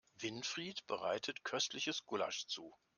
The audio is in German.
Winfried bereitet köstliches Gulasch zu.